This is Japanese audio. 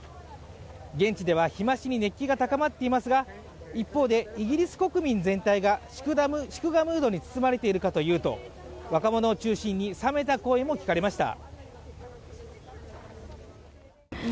現地では日増しに熱気が高まっていますが、一方でイギリス国民全体が祝賀ムードに包まれているかというと、若者を中心に冷めた声も聞かれました。